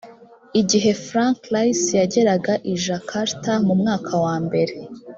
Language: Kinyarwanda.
igihe frank rice yageraga i jakarta mu mwaka wa mbere